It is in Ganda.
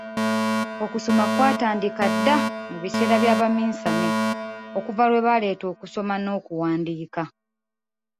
Okusoma kwatandika dda mu biseera by’abaminsane okuva lwe baaleeta okusoma n’okuwandiika.